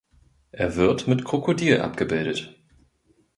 Er wird mit Krokodil abgebildet.